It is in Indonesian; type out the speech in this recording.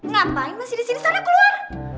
ngapain masih disini sana keluar